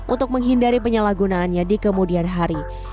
untuk menghindari penyalahgunaannya di kemudian hari